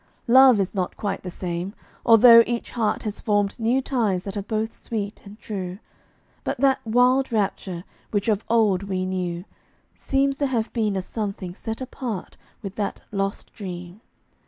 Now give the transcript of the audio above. Love is not quite the same, although each heart Has formed new ties that are both sweet and true, But that wild rapture, which of old we knew, Seems to have been a something set apart With that lost dream.